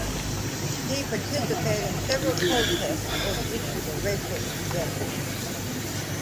He participated in several protests over issues of racial injustice.